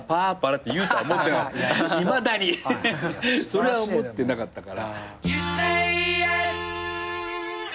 それは思ってなかったから。